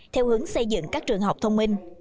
theo hướng xây dựng các trường học thông minh